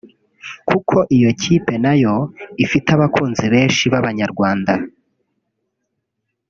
kuko iyo kipe nayo ifite abakunzi benshi b’Abanyarwanda